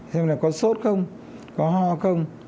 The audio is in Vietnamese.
xem là có sốt không có ho không